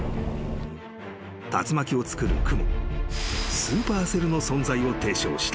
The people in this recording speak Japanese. ［竜巻をつくる雲スーパーセルの存在を提唱した］